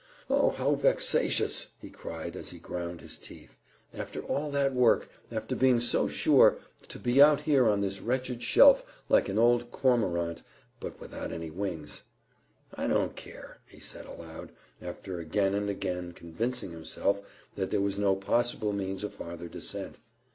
"Oh, how vexatious!" he cried, as he ground his teeth. "After all that work, after being so sure, to be out here on this wretched shelf like an old cormorant, but without any wings." "I don't care," he said aloud, after again and again convincing himself that there was no possible means of farther descent.